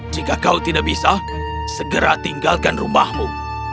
jika kau tidak bisa segera tinggalkan rumahmu